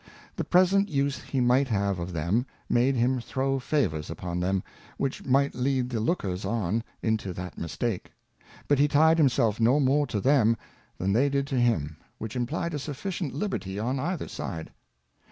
The present use he might have of them, made him throw Favours upon them, which might lead the lookers on into that mistake ; but he tied himself no more to them, than they did to him, which implied a sufficient Liberty on either side.